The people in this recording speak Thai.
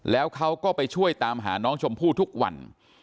แล้วเขาก็ไปช่วยตามหาน้องชมพู่ทุกวัน